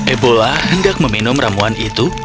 ebola hendak meminum ramuan itu